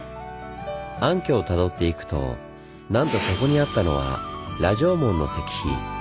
暗渠をたどっていくとなんとそこにあったのは羅城門の石碑。